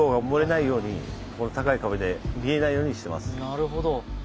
なるほど。